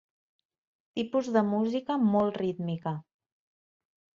Tipus de música molt rítmica.